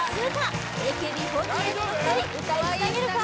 ＡＫＢ４８の２人歌いつなげるか？